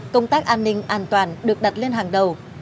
công tác an ninh an toàn được đặt lên hàng đầu